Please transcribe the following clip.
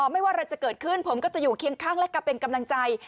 ไม่ว่าอะไรจะเกิดขึ้นผมก็จะอยู่เคียงข้างและก็เป็นกำลังใจ